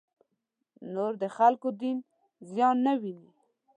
نور د خلکو دین زیان نه وویني.